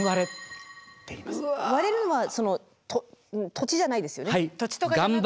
割れるのは土地じゃないですよね？